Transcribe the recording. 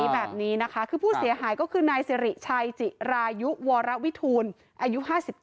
แบบนี้นะคะคือผู้เสียหายก็คือนายสิริชัยจิรายุวรวิทูลอายุ๕๙